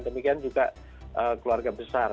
demikian juga keluarga besar